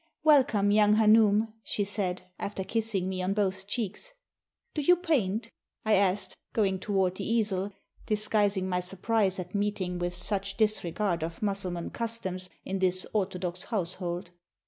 "Welcome, young hanoum," she said, after kissing me on both cheeks. "Do you paint?" I asked, going toward the easel, dis guising my surprise at meeting with such disregard of Mussulman customs in this orthodox household.